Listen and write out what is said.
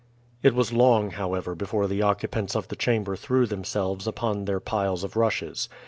It was long, however, before the occupants of the chamber threw themselves upon their piles of rushes.